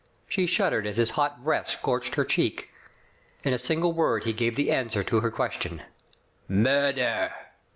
She shuddered as his hot breath scorched her cheek. In a single word he gave the answer to her question: "Murder!"